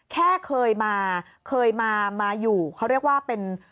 แค่เคยมาอยู่เขาเรียกว่าเป็น